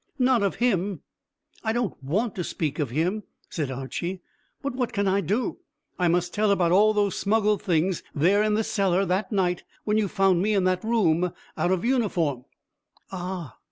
"Not of him." "I don't want to speak of him," said Archy, "but what can I do? I must tell about all those smuggled things there in the cellar that night when you found me in that room out of uniform." "Ah!"